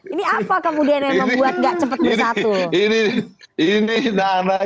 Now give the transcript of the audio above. ini apa kemudian yang membuat gak cepat bersatu